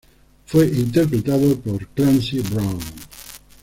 Fue interpretado por Clancy Brown.